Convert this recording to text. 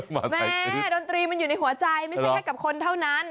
แม่ดนตรีมันอยู่ในหัวใจไม่ใช่แค่กับคนเท่านั้น